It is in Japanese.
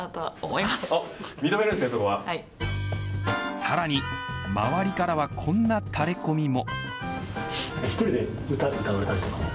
さらに、周りからはこんなタレコミも。